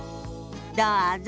どうぞ。